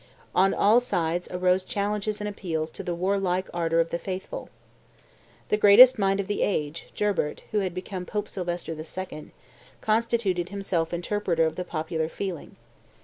On all sides arose challenges and appeals to the warlike ardor of the faithful. The greatest mind of the age, Gerbert, who had become Pope Sylvester II., constituted himself interpreter of the popular feeling.